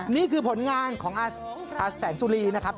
นี่คือผลงานของแสงสุรีนะครับ